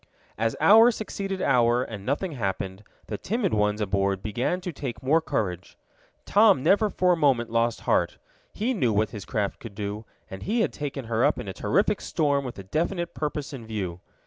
As hour succeeded hour and nothing happened, the timid ones aboard began to take more courage. Tom never for a moment lost heart. He knew what his craft could do, and he had taken her up in a terrific storm with a definite purpose in view.